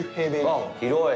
あっ、広い！